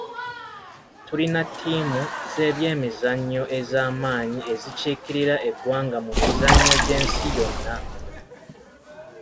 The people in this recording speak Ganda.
Tulina ttiimu z'ebyemizannyo ez'amaanyi ezikiikirira eggwanga mu mizannyo gy'ensi yonna.